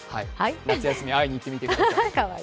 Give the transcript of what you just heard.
夏休み会いに行ってください。